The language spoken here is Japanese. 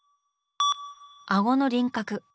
顎の輪郭。